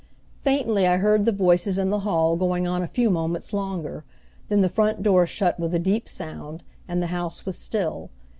Faintly I heard the voices in the hall going on a few moments longer, then the front door shut with a deep sound, and the house was still.